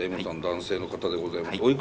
Ｍさん男性の方でございます。